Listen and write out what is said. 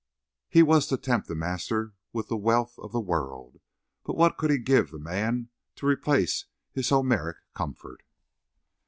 He was to tempt the master with the wealth of the world, but what could he give the man to replace his Homeric comfort?